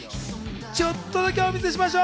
ちょっとだけお見せしましょう。